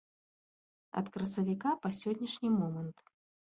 Ад красавіка па сённяшні момант.